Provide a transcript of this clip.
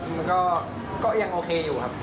มันก็ยังโอเคอยู่ครับ